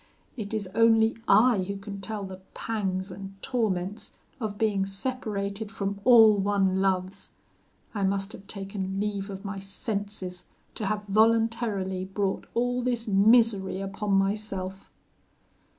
It is only I who can tell the pangs and torments, of being separated from all one loves. I must have taken leave of my senses, to have voluntarily brought all this misery upon myself.'